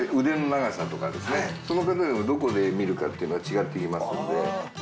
その方がどこで見るかっていうのは違ってきますんで。